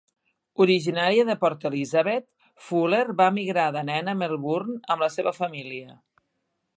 Originària de Port Elizabeth, Fuller va emigrar de nena a Melbourne amb la seva família.